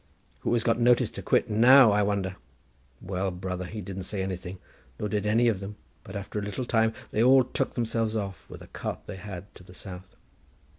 'Who has got notice to quit now, I wonder?' Well, brother, he didn't say anything, nor did any of them, but after a little time they all took themselves off, with a cart they had, to the south.